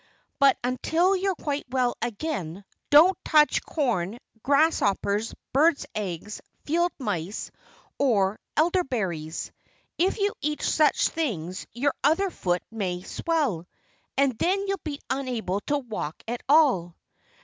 But until you're quite well again, don't touch corn, grasshoppers, birds' eggs, field mice, or elderberries. If you eat such things your other foot may swell. And then you'd be unable to walk at all."